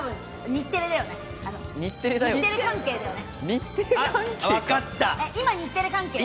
日テレ関係だよね。